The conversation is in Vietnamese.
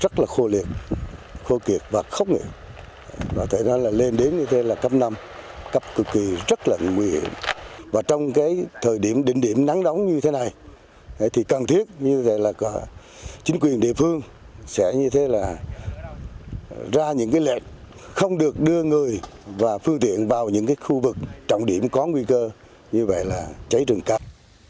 chính quyền địa phương sẽ như thế là ra những cái lệnh không được đưa người và phương tiện vào những cái khu vực trọng điểm có nguy cơ như vậy là cháy rừng cao